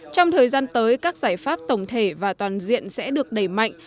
trong thời gian tới các giải pháp tổng thể và toàn diện sẽ được đẩy mạnh